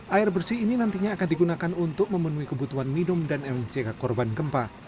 air bersih ini nantinya akan digunakan untuk memenuhi kebutuhan minum dan mck korban gempa